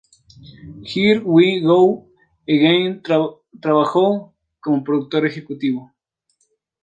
Here We Go Again, trabajo como un productor ejecutivo.